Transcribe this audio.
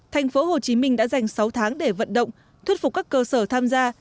thành phố hồ chí minh đã dành sáu tháng để vận động thuyết phục các cơ sở tham gia